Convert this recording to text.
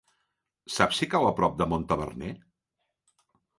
Saps si cau a prop de Montaverner?